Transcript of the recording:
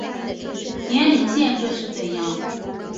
年龄限制是怎样